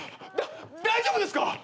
大丈夫ですか？